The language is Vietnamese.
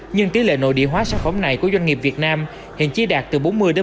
nhưng tỷ lệ nội địa hóa sản phẩm này của doanh nghiệp việt nam hiện chỉ đạt từ bốn mươi bốn mươi năm